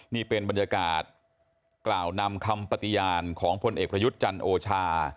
นี่เป็นบรรยากาศกล่าวนำคำปฏิญาณของพลเอกประยุทธ์จันทร์โอชา